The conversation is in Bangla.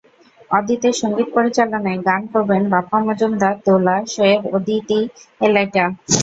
অদিতের সংগীত পরিচালনায় গান করবেন বাপ্পা মজুমদার, দোলা, শোয়েব, অদিত, এলিটা।